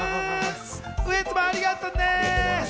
ウエンツもありがとね。